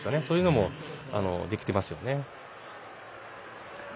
そういうものもできていますね。